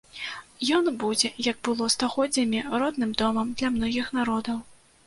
Ён будзе, як было стагоддзямі, родным домам для многіх народаў.